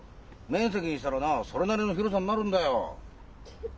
面積にしたらなそれなりの広さになるんだよ。